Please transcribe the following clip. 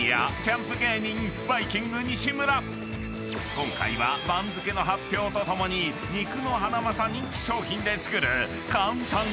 ［今回は番付の発表とともに肉のハナマサ人気商品で作る］